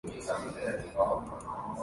Cuối trời mây trắng bay